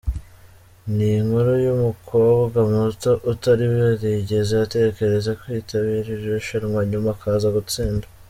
Ni inkuru y’umukobwa muto, utari warigeze atekereza kwitabira iri rushanwa nyuma akaza gutsinda.